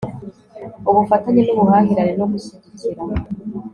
ubufatanye n'ubuhahirane no gushyigikira